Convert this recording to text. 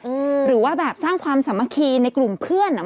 หรือว่าแบบสร้างความสามัคคีในกลุ่มเพื่อนอ่ะ